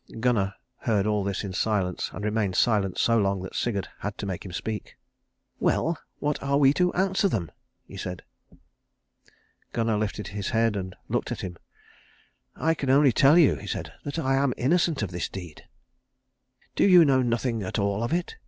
Gunnar heard all this in silence, and remained silent so long that Sigurd had to make him speak. "Well, what are we to answer them?" he said. Gunnar lifted his head and looked at him. "I can only tell you," he said, "that I am innocent of this deed." "Do you know nothing at all of it?"